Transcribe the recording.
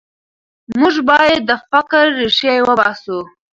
موږ باید د فقر ریښې وباسو.